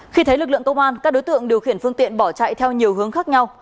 khi thấy lực lượng công an các đối tượng điều khiển phương tiện bỏ chạy theo nhiều hướng khác nhau